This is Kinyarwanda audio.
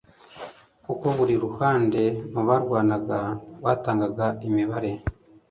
kuko buri ruhande mu barwanaga rwatangaga imibare